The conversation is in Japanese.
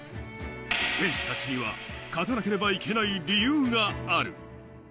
選手たちには勝たなければいけない理由がある。